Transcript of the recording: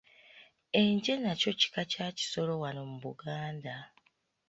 Enje nakyo kika kya kisolo wano mu Buganda.